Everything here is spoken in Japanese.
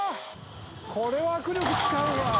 これは握力使うわ。